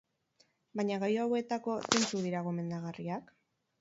Baina, gailu hauetako zeintzuk dira gomendagarriak?